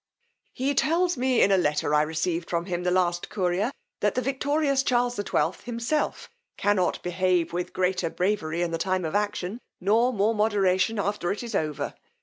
He tells me, in a letter I received from him the last courier, that the victorious Charles XII. himself cannot behave with greater bravery in the time of action, nor more moderation after it is over.